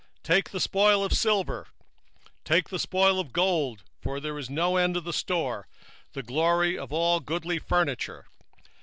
2:9 Take ye the spoil of silver, take the spoil of gold: for there is none end of the store and glory out of all the pleasant furniture.